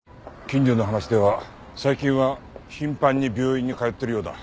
近所の話では最近は頻繁に病院に通っているようだ。